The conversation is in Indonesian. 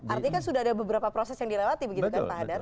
artinya kan sudah ada beberapa proses yang dilewati begitu kan pak hadar